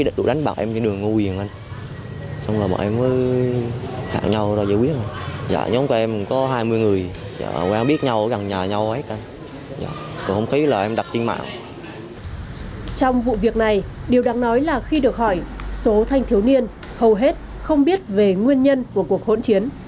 trong vụ việc này điều đáng nói là khi được hỏi số thanh thiếu niên hầu hết không biết về nguyên nhân của cuộc hỗn chiến